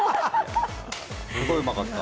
すごいうまかった。